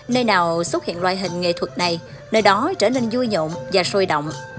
nơi nào xuất hiện loại hình nghệ thuật này nơi đó trở nên vui nhộn và sôi động